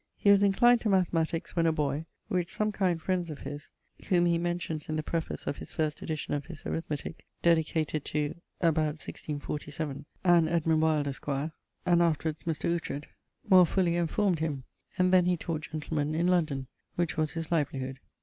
He was inclined to mathematiques when a boy, which some kind friends of his (whom he mentions in the preface of his first edition of his Arithmetique, dedicated to ... about 1647, and Edmund Wyld, esq.), and afterwards Mr. Oughtred, more fully enformed him; and then he taught gentlemen in London, which was his livelyhood.